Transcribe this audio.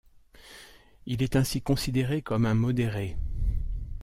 Il est ainsi considéré comme un modéré.